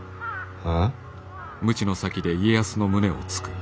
はあ。